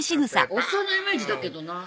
おっさんのイメージだけどな